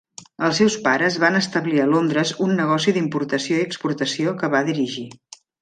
Els seus pares van establir a Londres un negoci d'importació i exportació que va dirigir.